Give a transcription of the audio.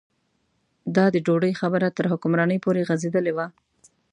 دا د ډوډۍ خبره تر حکمرانۍ پورې غځېدلې وه.